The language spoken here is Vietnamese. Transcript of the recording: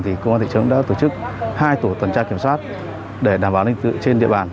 thì công an thị trấn đã tổ chức hai tổ tuần tra kiểm soát để đảm bảo ninh tự trên địa bàn